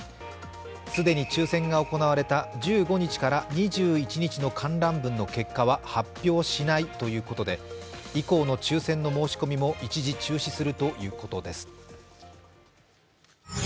既に抽選が行われた１５日から２１日の観覧分の結果は発表しないということで以降の抽選の申し込みも一時中止するということです。